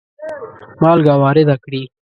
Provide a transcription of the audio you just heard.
مالګه وارده کړي.